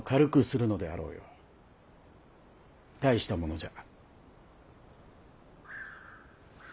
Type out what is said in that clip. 大したものじゃ。